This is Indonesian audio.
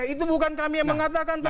itu bukan kami yang mengatakan